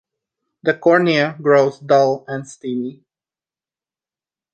The cornea grows dull and steamy.